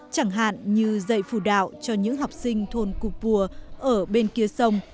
chẳng hạn như dạy phụ đạo cho những học sinh thôn cục pua ở bên kia sông